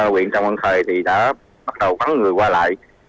huyện trọng văn thời thì đã bắt đầu bắn người qua lại